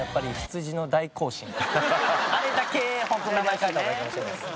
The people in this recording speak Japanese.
あれだけホント名前変えた方がいいかもしれないです。